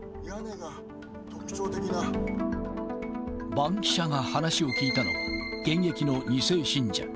バンキシャが話を聞いたのは、現役の２世信者。